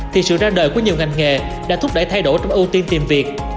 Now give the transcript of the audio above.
thì sự ra đời của nhiều ngành nghề đã thúc đẩy thay đổi trong ưu tiên tìm việc